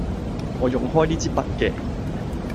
我用開呢枝筆嘅